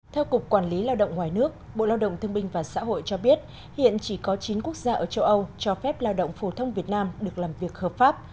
theo cục quản lý lao động ngoài nước bộ lao động thương binh và xã hội cho biết hiện chỉ có chín quốc gia ở châu âu cho phép lao động phổ thông việt nam được làm việc hợp pháp